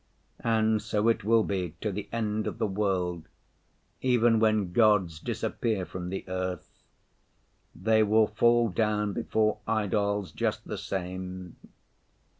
And so it will be to the end of the world, even when gods disappear from the earth; they will fall down before idols just the same.